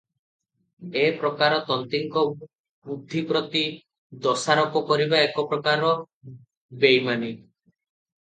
ଏ ପ୍ରକାର ତନ୍ତୀଙ୍କ ବୁଦ୍ଧି ପ୍ରତି ଦୋଷାରୋପ କରିବା ଏକପ୍ରକାର ବୈମାନି ।